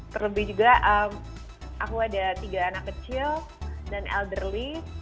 terlebih juga aku ada tiga anak kecil dan elderley